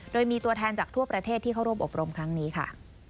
โดยมีตัวแทนจากทั่วประเทศที่เข้าร่วมอบรมครั้งนี้ค่ะ